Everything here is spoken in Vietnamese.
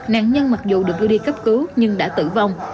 nạn nhân mặc dù được đưa đi cấp cứu nhưng đã tử vong